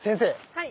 はい。